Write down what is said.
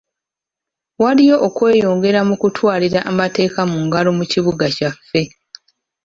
Waliwo okweyongera mu kutwalira amateeka mu ngalo mu kibuga kyaffe.